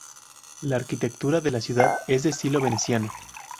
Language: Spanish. La arquitectura de la ciudad es de estilo veneciano.